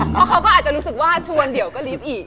เพราะเขาก็อาจจะรู้สึกว่าชวนเดี๋ยวก็รีบอีก